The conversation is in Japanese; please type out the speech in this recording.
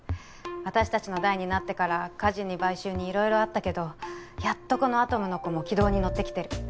私達の代になってから火事に買収に色々あったけどやっとこのアトムの童も軌道に乗ってきてる